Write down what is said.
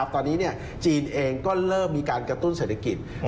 ตอนนี้จีนเองก็เริ่มมีการกระตุ้นเศรษฐกิจ